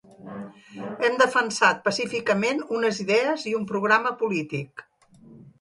Hem defensat pacíficament unes idees i un programa polític.